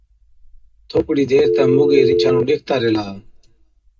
ٿوڪڙِي دير تہ موڳي رِينڇا نُون ڏيکتا ريهلا،